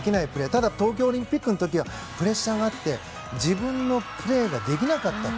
ただ東京オリンピックの時はプレッシャーがあって自分のプレーができなかったと。